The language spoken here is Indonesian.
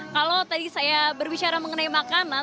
kalau tadi saya berbicara mengenai makanan